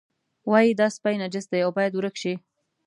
وایي دا سپی نجس دی او باید ورک شي.